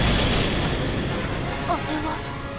あれは。